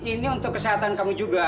ini untuk kesehatan kamu juga